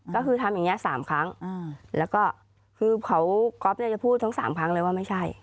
ก็คือทำอย่างเงี้ยสามครั้งอืมแล้วก็คือเขาก็จะพูดทั้งสามครั้งเลยว่าไม่ใช่